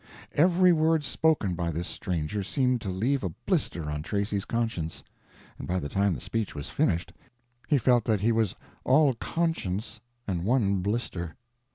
Every word spoken by this stranger seemed to leave a blister on Tracy's conscience, and by the time the speech was finished he felt that he was all conscience and one blister.